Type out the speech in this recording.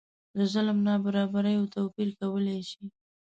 د ظلم نابرابریو توپیر کولای شي.